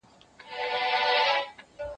نیمه شپه روان د خپل بابا پر خوا سو